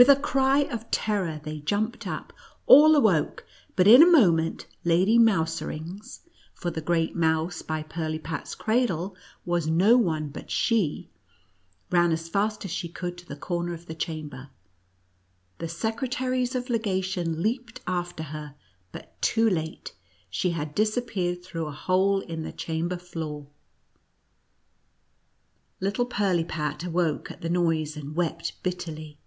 With a cry of terror they jumped up ; all awoke, but in a moment Lady Mouser ings (for the great mouse by Pirlipat's cradle was no one but she) ran as fast as she could to the corner of the chamber. The secretaries of legation leaped after her, but too late — she had disappeared through a hole in the chamber OTTCBACKEß AM) MOUSE EXSTG. 69 floor. Little Pirlipat awoke at the noise and wept bitterly.